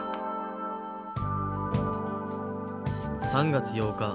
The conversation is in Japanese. ３月８日。